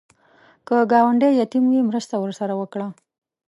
که ګاونډی یتیم وي، مرسته ورسره وکړه